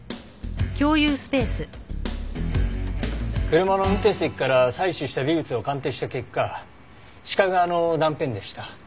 車の運転席から採取した微物を鑑定した結果鹿革の断片でした。